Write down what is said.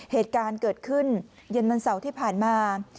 เหตุการณ์เกิดขึ้นเย็นวันเสาร์ที่ผ่านมา